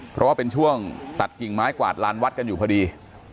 เพราะว่าเป็นช่วงตัดกิ่งไม้กวาดลานวัดกันอยู่พอดี